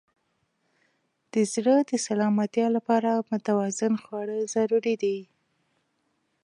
د زړه د سلامتیا لپاره متوازن خواړه ضروري دي.